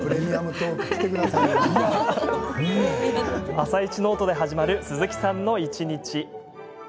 「あさイチ」ノートで始まる鈴木さんの一日。